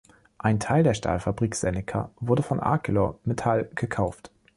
Ein Teil der Stahlfabrik Zenica wurde von Arcelor Mittal gekauft.